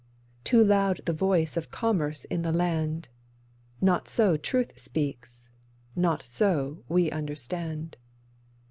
Too loud the voice of commerce in the land; Not so truth speaks, not so we understand.